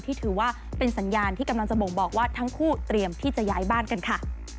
ถือว่าเป็นสัญญาณที่กำลังจะบ่งบอกว่าทั้งคู่เตรียมที่จะย้ายบ้านกันค่ะ